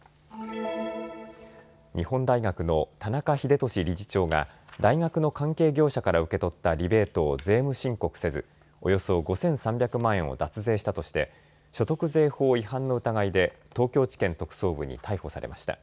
日本大学の田中英壽理事長が大学の関係業者から受け取ったリベートを税務申告せずおよそ５３００万円を脱税したとして所得税法違反の疑いで東京地検特捜部に逮捕されました。